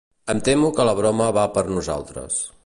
Em temo que la broma va per nosaltres.